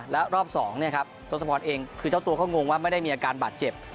แล้วรอบ๒ทศพรเองคือเจ้าตัวก็งงว่าไม่ได้มีอาการบาดเจ็บ